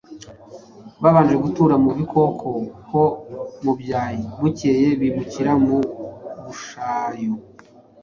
Babanje gutura mu Rukoko ho mu Byahi bukeye bimukira ku Rushayu,